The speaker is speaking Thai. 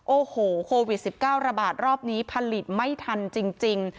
โอ้โหโควิด๑๙ระบาดรอบนี้ผลิตไม่ทันจริง